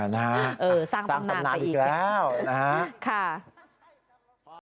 นะฮะสร้างธรรมดาอีกแล้วนะฮะค่ะสร้างธรรมดาอีกแล้ว